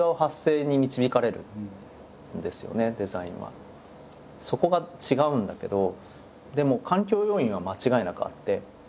そういうことでそこが違うんだけどでも環境要因は間違いなくあって。